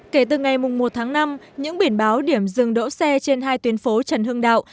kể từ ngày một tháng năm những biển báo điểm dừng đỗ xe trên hai tuyến phố trần hưng đạo